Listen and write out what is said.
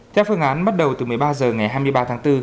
theo phương án bắt đầu từ một mươi ba h ngày hai mươi ba tháng bốn